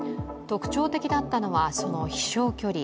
特徴的だったのはその飛しょう距離。